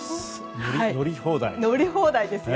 乗り放題ですよ。